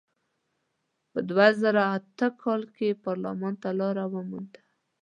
په دوه زره اته کال کې پارلمان ته لار ومونده.